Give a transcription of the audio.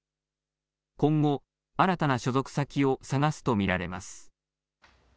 今後、新たな所属先を探すと見られます。